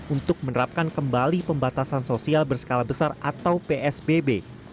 untuk menerapkan kembali pembatasan sosial berskala besar atau psbb